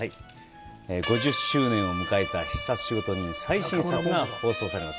５０周年を迎えた「必殺仕事人」の最新作が放送されます。